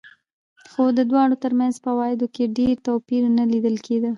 خو د دواړو ترمنځ په عوایدو کې ډېر توپیر نه لیدل کېده.